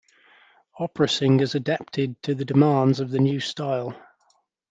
Opera singers adapted to the demands of the new style.